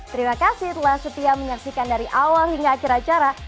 terima kasih telah setia menyaksikan dari awal hingga akhir acara